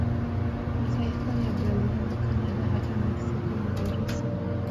Mataifa ya Brazil na Canada hata Mexico na Urusi